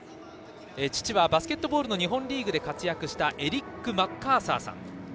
父はバスケットボールの日本リーグで活躍したエリック・マッカーサーさん。